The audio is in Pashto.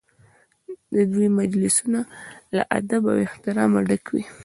د دوی مجلسونه له ادب او احترامه ډک وي.